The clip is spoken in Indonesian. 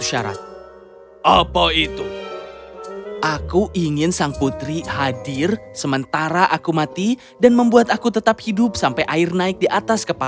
yang mulia aku akan menawarkan hidupku untukmu